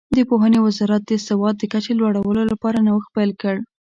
د پوهنې وزارت د سواد د کچې د لوړولو لپاره نوښت پیل کړ.